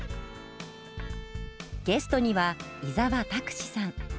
ゲストには伊沢拓司さん。